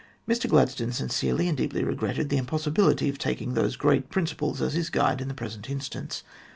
Mr Gladstone sincerely and deeply regretted the impossibility of taking those great principles as his guide in the present instance.